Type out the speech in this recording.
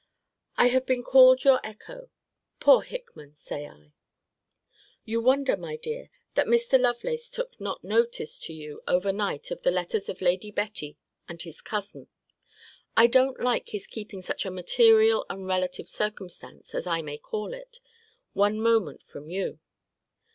I have been called your echo Poor Hickman! say I. You wonder, my dear, that Mr. Lovelace took not notice to you over night of the letters of Lady Betty and his cousin. I don't like his keeping such a material and relative circumstance, as I may call it, one moment from you.